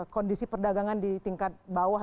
kondisi perdagangan di tingkat bawah